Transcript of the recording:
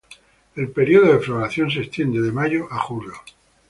El período de floración se extiende de mayo a julio.